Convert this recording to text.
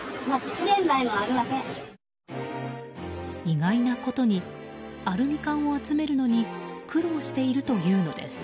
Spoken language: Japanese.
意外なことにアルミ缶を集めるのに苦労しているというのです。